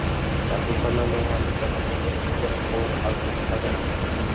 রাসূল সাল্লাল্লাহু আলাইহি ওয়াসাল্লাম-এর অভিযানের খবর আর গোপন থাকে না।